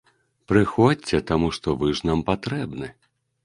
Прыходзьце, таму што вы ж нам патрэбны!